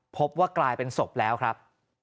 พบว่ากลายเป็นศพแล้วครับ